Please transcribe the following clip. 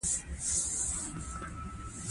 په کرکټ کې افغان لوبغاړي د پام وړ پرمختګ کړی دی.